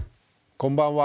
こんばんは。